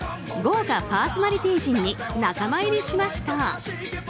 豪華パーソナリティー陣に仲間入りしました。